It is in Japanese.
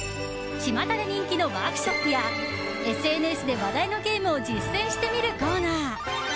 ちまたで人気のワークショップやＳＮＳで話題のゲームを実践してみるコーナー